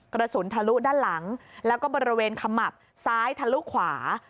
กระสุนทะลุด้านหลังแล้วก็บริเวณขมับซ้ายทะลุขวา